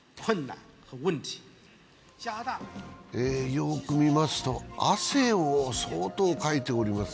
よく見ますと汗を相当かいております。